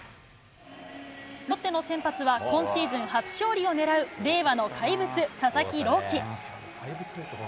ロッテの先発は今シーズン初勝利を狙う令和の怪物、佐々木朗希。